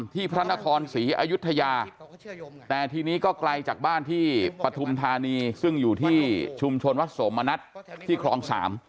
พระนครศรีอยุธยาแต่ทีนี้ก็ไกลจากบ้านที่ปฐุมธานีซึ่งอยู่ที่ชุมชนวัดสมณัฐที่คลอง๓